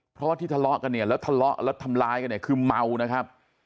เพราะที่ทะเลาะกันเนี่ยแล้วทะเลาะแล้วทำร้ายกันเนี่ยคือเมานะครับ